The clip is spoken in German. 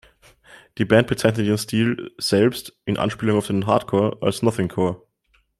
Die Band bezeichnet ihren Stil selbst, in Anspielung auf den Hardcore, als "Nothing Core".